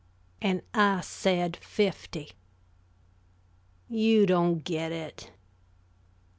"And I said fifty." "You don't get it."